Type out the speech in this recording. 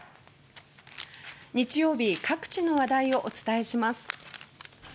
日曜日各地の話題をお伝えします。